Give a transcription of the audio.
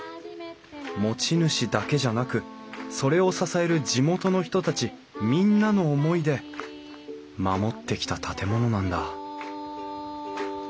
持ち主だけじゃなくそれを支える地元の人たちみんなの思いで守ってきた建物なんだ